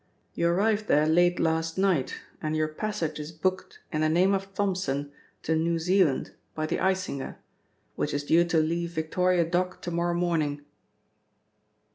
You arrived there late last night and your passage is booked in the name of Thomson to New Zealand by the Icinga, which is due to leave Victoria Dock to morrow morning."